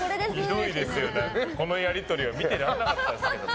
このやり取り見てられなかったですけどね。